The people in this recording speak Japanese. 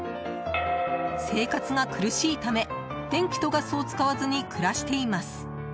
生活が苦しいため電気とガスを使わずに暮らしています。